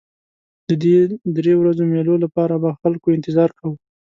د دې درې ورځو مېلو لپاره به خلکو انتظار کاوه.